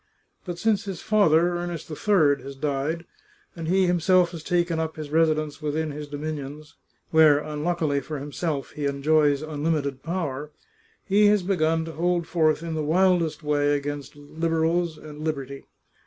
But since his father, Ernest III, has died, and he himself has taken up his resi dence within his dominions — where, unluckily for himself, he enjoys unlimited power — he has begun to hold forth in the wildest way against Liberals and liberty.